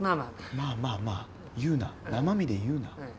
まあまあまあ言うな生身で言うな。